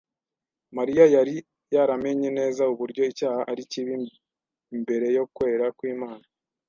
Mariya yari yaramenye neza uburyo icyaha ari kibi imbere yo kwera kw'Imana,